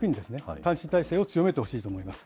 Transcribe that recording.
監視体制を強めてほしいと思います。